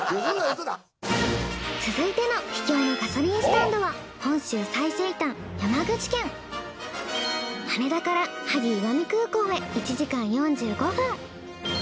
続いての秘境のガソリンスタンドは本州最西端羽田から萩・石見空港へ１時間４５分。